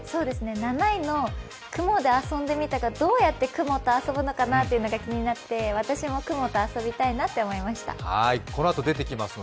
７位の雲であそんでみたがどうやって雲で遊ぶのかなというのが気になって私も雲と遊びたいなと思いました。